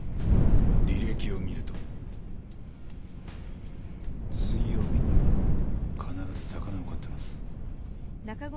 履歴を見ると水曜日には必ず魚を買ってます。